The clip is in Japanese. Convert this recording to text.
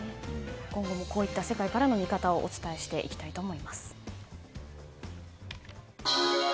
今後もこういった世界からの見方をお伝えしていきます。